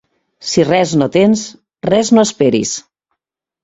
Si res no tens, res no esperis.